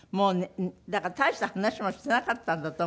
だから大した話もしてなかったんだと思うのよ。